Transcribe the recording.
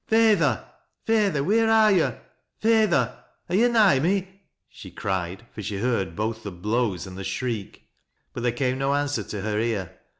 " Feyther ! Feyther, wheer are yo' ? Feyther, are yo' nigh me ?" she cried, for she heard both the blows and the shriek. But there came no answer to her ear.